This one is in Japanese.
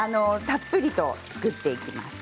たっぷり作っていきます。